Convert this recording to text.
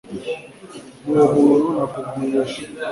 Nuwo muntu nakubwiye ejo